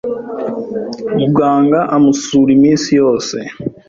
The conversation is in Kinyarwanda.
Muganga amusura iminsi yose.